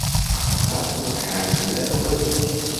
Axaṭer ur ḥerrzen ara awal-ik.